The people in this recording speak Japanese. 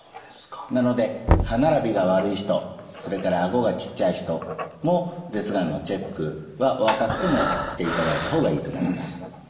なので歯並びが悪い人それから顎がちっちゃい人も舌がんのチェックはお若くてもしていただいた方がいいと思います。